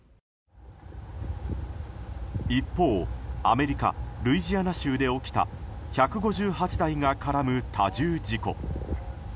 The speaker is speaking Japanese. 一方、アメリカ・ルイジアナ州で起きた１５８台が絡む多重事故。